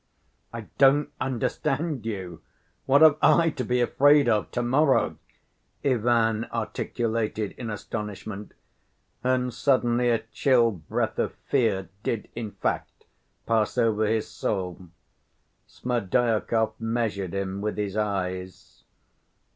"I don't understand you.... What have I to be afraid of to‐morrow?" Ivan articulated in astonishment, and suddenly a chill breath of fear did in fact pass over his soul. Smerdyakov measured him with his eyes.